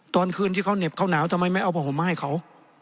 ตอนคืนที่เขาเหน็บเขาหนาวทำไมไม่เอาผ้าห่มมาให้เขา